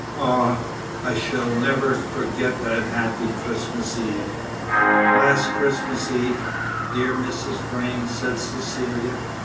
Ah! I shall never forget that happy Christmas Eve!" "Last Christmas Eve, dear Mrs. Vrain?" said Cecilia.